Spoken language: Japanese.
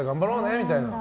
みたいな？